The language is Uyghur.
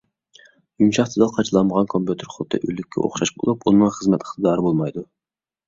يۇمشاق دېتال قاچىلانمىغان كومپيۇتېر خۇددى ئۆلۈككە ئوخشاش بولۇپ، ئۇنىڭ خىزمەت ئىقتىدارى بولمايدۇ.